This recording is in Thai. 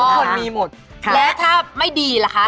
อ๋อทุกคนมีหมดแล้วถ้าไม่ดีละคะ